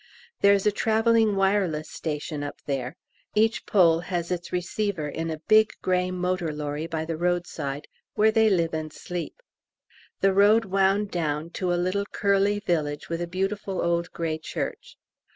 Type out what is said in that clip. There is a travelling wireless station up there. Each pole has its receiver in a big grey motor lorry by the roadside, where they live and sleep. The road wound down to a little curly village with a beautiful old grey church.